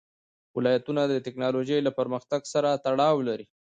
ولایتونه د تکنالوژۍ له پرمختګ سره تړاو لري.